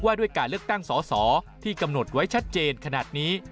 ด้วยการเลือกตั้งสอสอที่กำหนดไว้ชัดเจนขนาดนี้